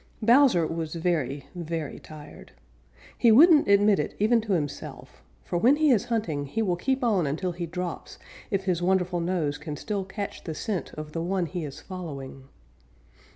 _ Bowser was very, very tired. He wouldn't admit it even to himself, for when he is hunting he will keep on until he drops if his wonderful nose can still catch the scent of the one he is following.